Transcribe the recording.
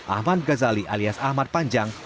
ahmad ghazali alias ahmad panjang